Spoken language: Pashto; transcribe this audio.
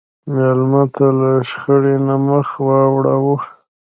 مېلمه ته له شخړې نه مخ واړوه.